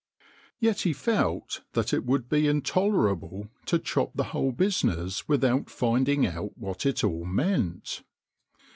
Yet he felt that it would be intolerable to chop the whole business without finding out what it all meant.